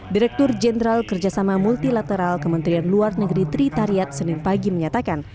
direktur jenderal kerjasama multilateral kementerian luar negeri tritariat senin pagi menyatakan